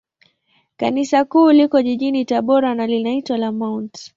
Kanisa Kuu liko jijini Tabora, na linaitwa la Mt.